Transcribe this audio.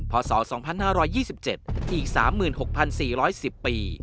พศ๒๕๒๗อีก๓๖๔๑๐ปี